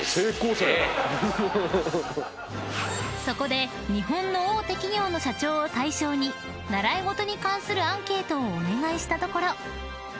［そこで日本の大手企業の社長を対象に習い事に関するアンケートをお願いしたところ］